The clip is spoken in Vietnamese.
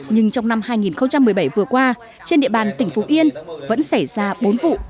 nhưng trong năm hai nghìn một mươi bảy vừa qua trên địa bàn tỉnh phú yên vẫn xảy ra bốn vụ